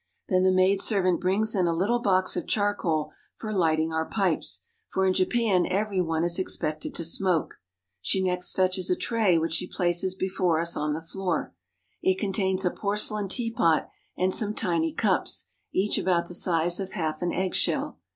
Then the maid servant brings in a little box of charcoal for lighting our pipes; for in Japan every one is expected to smoke. She next fetches a tray, which she Winter Costume. 50 JAPAN places before us on the floor. It contains a porcelain tea pot and some tiny cups, each about the size of half an egg shell.